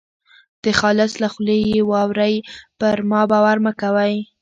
د خالص له خولې یې واورۍ پر ما باور مه کوئ.